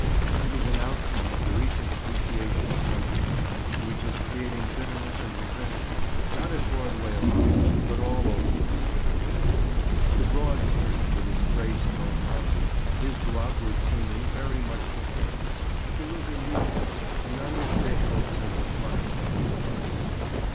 It is an outcome of the recent appreciation of country life which is creating bitterness and resentment, not at Broadway alone, but all over the country. The broad street, with its grey stone houses, is to outward seeming very much the same, but there is a neatness, an unmistakable sense of money about the place.